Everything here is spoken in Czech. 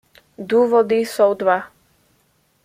Důvody jsou dva.